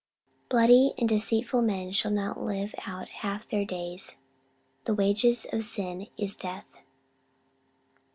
"Bloody and deceitful men shall not live out half their days." "The wages of sin is death."